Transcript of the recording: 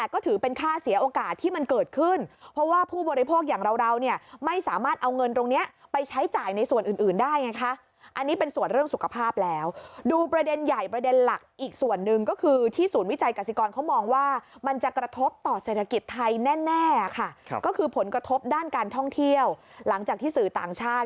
ก็ถือเป็นค่าเสียโอกาสที่มันเกิดขึ้นเพราะว่าผู้บริโภคอย่างเราเราเนี่ยไม่สามารถเอาเงินตรงนี้ไปใช้จ่ายในส่วนอื่นได้ไงคะอันนี้เป็นส่วนเรื่องสุขภาพแล้วดูประเด็นใหญ่ประเด็นหลักอีกส่วนหนึ่งก็คือที่ศูนย์วิจัยกษิกรเขามองว่ามันจะกระทบต่อเศรษฐกิจไทยแน่ค่ะก็คือผลกระทบด้านการท่องเที่ยวหลังจากที่สื่อต่างชาติ